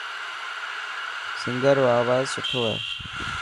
سنگار رو آواز سٺو هي.